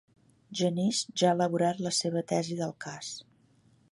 Genís ja ha elaborat la seva tesi del cas.